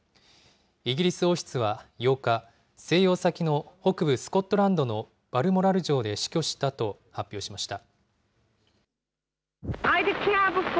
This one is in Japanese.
イギリス王室は８日、静養先の北部スコットランドのバルモラル城で死去したと発表しました。